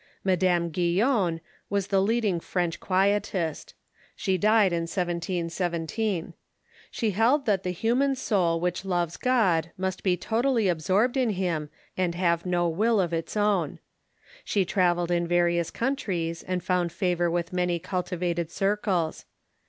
Madame Guyon was the leading French Quietist. She died in 1717. She held that the human soul which loves God must be totally ab sorbed in him, and have no Avill of its own. She travelled in various countries, and found favor with many cultivated cir cles.